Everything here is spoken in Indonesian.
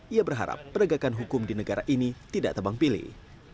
ia berharap penegakan hukum di negara ini tidak tebang pilih